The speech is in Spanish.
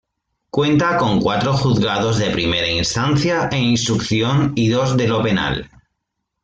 Cuenta con cuatro juzgados de Primera Instancia e Instrucción y dos de lo Penal.